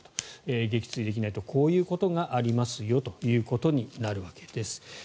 撃墜できないとこういうことがありますよということになるわけです。